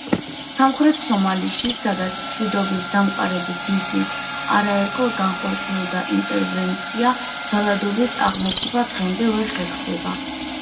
სამხრეთ სომალიში, სადაც მშვიდობის დამყარების მიზნით არაერთხელ განხორციელდა ინტერვენცია, ძალადობის აღმოფხვრა დღემდე ვერ ხერხდება.